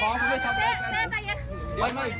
ปล่อยเขาหมู่ผู้หญิงเขาไม่กลับผมขอผมขอ